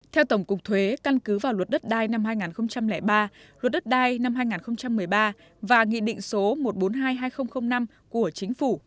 theo tổng cục thuế căn cứ vào luật đất đai năm hai nghìn ba luật đất đai năm hai nghìn một mươi ba và nghị định số một trăm bốn mươi hai hai nghìn năm của chính phủ